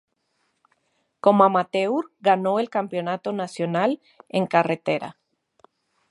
Como amateur ganó el campeonato nacional en carretera.